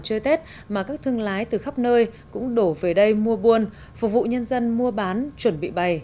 chơi tết mà các thương lái từ khắp nơi cũng đổ về đây mua buôn phục vụ nhân dân mua bán chuẩn bị bày